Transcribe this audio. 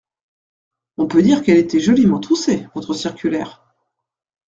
On peut dire qu’elle était joliment troussée, votre circulaire !